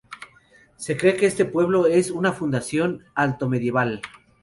Se cree que este pueblo es una fundación altomedieval.